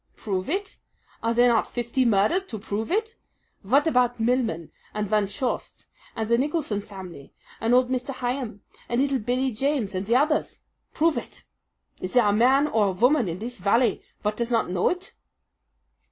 "Prove it! Are there not fifty murders to prove it? Vat about Milman and Van Shorst, and the Nicholson family, and old Mr. Hyam, and little Billy James, and the others? Prove it! Is there a man or a voman in this valley vat does not know it?"